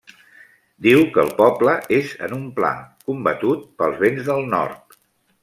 Diu que el poble és en un pla, combatut pels vents del nord.